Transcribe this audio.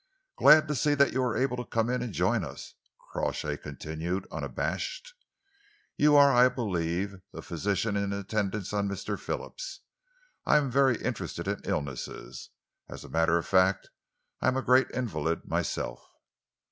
"Glad to see that you are able to come in and join us," Crawshay continued, unabashed. "You are, I believe, the physician in attendance on Mr. Phillips. I am very interested in illnesses. As a matter of fact, I am a great invalid myself."